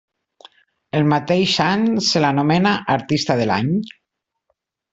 El mateix any, se la nomena Artista de l'Any.